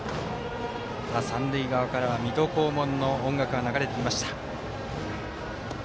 三塁側からは「水戸黄門」の音楽が流れてきました。